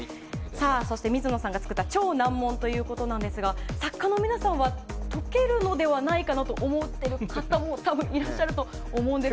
そして、水野さんが作った超難問ということで作家の皆さんは解けるのではないかと思っている方も多分いらっしゃると思うんですが。